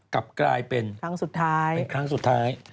กลับกลายเป็นครั้งสุดท้าย